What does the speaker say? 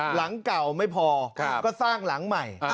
หลังเก่าไม่พอก็สร้างหลังใหม่